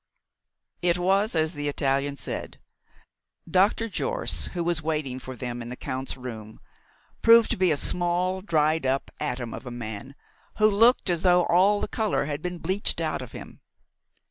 It was as the Italian said. Dr. Jorce who was waiting for them in the Count's room proved to be a small, dried up atom of a man, who looked as though all the colour had been bleached out of him.